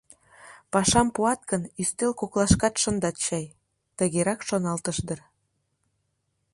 «Пашам пуат гын, ӱстел коклашкат шындат чай», — тыгерак шоналтыш дыр.